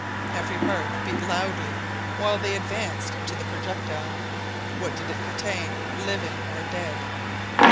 Every heart beat loudly while they advanced to the projectile. What did it contain? Living or dead?